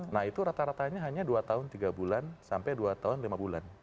nah itu rata ratanya hanya dua tahun tiga bulan sampai dua tahun lima bulan